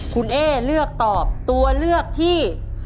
คุณเอ๊เลือกตอบตัวเลือกที่๒